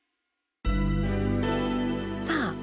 さあ